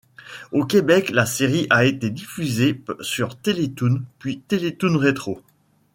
Au Québec, la série a été diffusée sur Télétoon puis Télétoon Rétro.